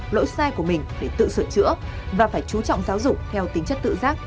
lỗi sai của mình để tự sửa chữa và phải chú trọng giáo dục theo tính chất tự giác